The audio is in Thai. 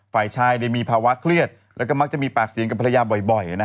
ฝ่ายชายมีภาวะเครียดแล้วก็มักจะมีปากเสียงกับภรรยาบ่อย